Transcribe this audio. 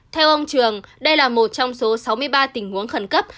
theo ông trường đây là một trong số sáu mươi ba tình huống khẩn cấp